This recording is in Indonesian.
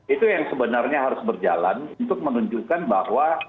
itu yang sebenarnya harus berjalan untuk menunjukkan bahwa